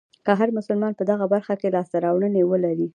که هر مسلمان په دغه برخه کې لاسته راوړنې ولرلې.